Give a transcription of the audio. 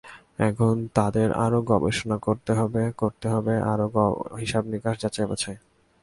এখন তাঁদের আরও গবেষণা করতে হবে, করতে হবে আরও হিসাব-নিকাশ, যাচাই-বাছাই।